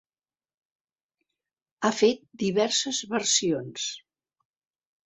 Ha fet diverses versions.